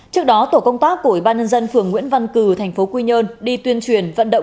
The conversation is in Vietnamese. trước đó tổ công tác của ủy ban nhân dân phường nguyễn văn cử tp quy nhơn đi tuyên truyền vận động